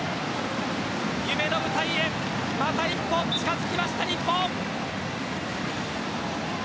夢の舞台へ、また一歩近づきました日本。